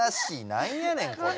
何やねんこれ。